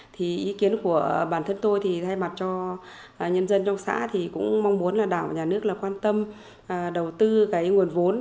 thì ý kiến của bản thân tôi thì thay mặt cho nhân dân trong xã thì cũng mong muốn là đảng nhà nước là quan tâm đầu tư cái nguồn vốn